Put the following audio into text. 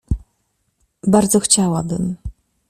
Bardzo chciałabym.